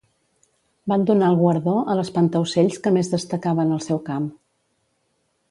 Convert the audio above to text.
Van donar el guardó a l'espantaocells que més destacava en el seu camp.